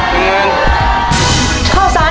หนึ่งหมื่น